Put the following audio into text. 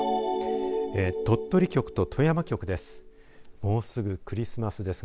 鳥取局と富山局です。